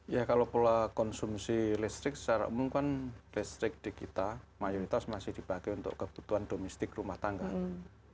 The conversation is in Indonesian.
ya kalau pola konsumsi listrik secara umum kan listrik di kita mayoritas masih dipakai untuk kebutuhan domestik rumah tangga